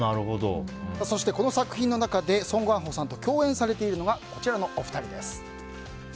そしてこの作品の中でソン・ガンホさんと共演されているのがこちらのお二人です。